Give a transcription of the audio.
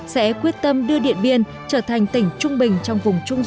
sẽ quyết tâm đưa điện biên trở thành tỉnh trung bình trong vùng trung tâm